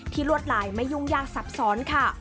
ลวดลายไม่ยุ่งยากซับซ้อนค่ะ